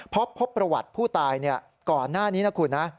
พบประวัติผู้ตายก่อนหน้านี้นะคุณนะ